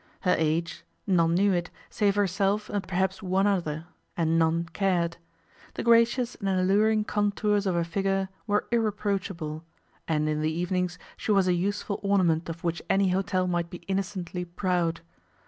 Her age none knew it, save herself and perhaps one other, and none cared. The gracious and alluring contours of her figure were irreproachable; and in the evenings she was a useful ornament of which any hotel might be innocently proud.